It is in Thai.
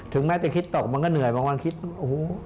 แม้จะคิดตกมันก็เหนื่อยบางวันคิดโอ้โห